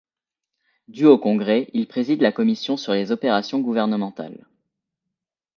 Du au Congrès, il préside la commission sur les opérations gouvernementales.